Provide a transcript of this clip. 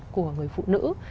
của người phụ nữ